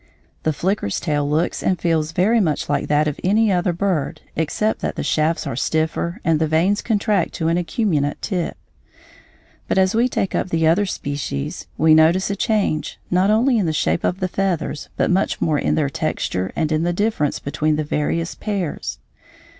The flicker's tail looks and feels very much like that of any other bird except that the shafts are stiffer and the vanes contract to an acuminate tip. But as we take up the other species we notice a change, not only in the shape of the feathers but much more in their texture and in the difference between the various pairs.